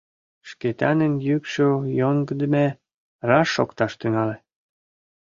Шкетанын йӱкшӧ йоҥгыдеме, раш шокташ тӱҥале.